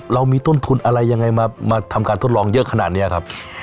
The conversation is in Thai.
เรามีต้นทุนอะไรยังไงมาทำการทดลองเยอะขนาดนี้ครับ